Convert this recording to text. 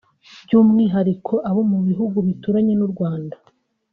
by’umwihariko abo mu bihugu bituranye n’u Rwanda